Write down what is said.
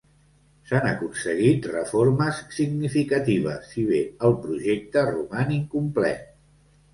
S'han aconseguit reformes significatives, si bé el projecte roman incomplet.